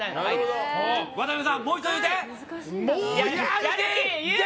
渡辺さん、もう１回言って！